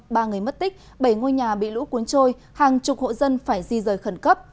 ba người mất tích bảy ngôi nhà bị lũ cuốn trôi hàng chục hộ dân phải di rời khẩn cấp